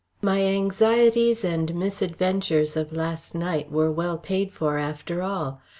My anxieties and misadventures of last night were well paid for after all.